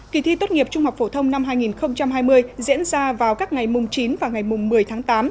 kỳ thi tốt nghiệp trung học phổ thông năm hai nghìn hai mươi diễn ra vào các ngày mùng chín và ngày một mươi tháng tám